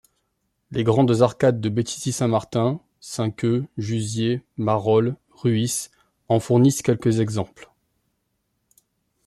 Les grandes arcades de Béthisy-Saint-Martin, Cinqueux, Juziers, Marolles, Rhuis, en fournissent quelques exemples.